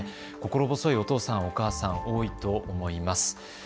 心細いお父さん、お母さんも多いと思います。